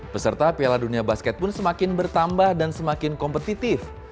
peserta piala dunia basket pun semakin bertambah dan semakin kompetitif